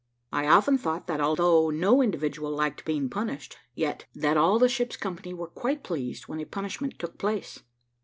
I often thought, that although no individual liked being punished, yet, that all the ship's company were quite pleased when a punishment took place.